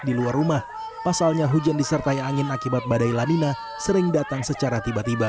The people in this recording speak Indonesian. di luar rumah pasalnya hujan disertai angin akibat badai lanina sering datang secara tiba tiba